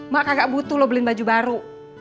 mak kagak butuh lu beliin baju baru